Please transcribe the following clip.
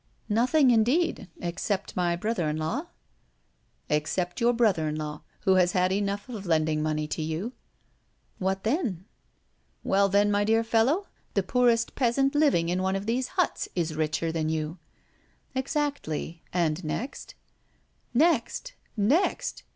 "Nothing, indeed except my brother in law." "Except your brother in law, who has had enough of lending money to you." "What then?" "What then, my dear fellow? The poorest peasant living in one of these huts is richer than you." "Exactly and next?" "Next next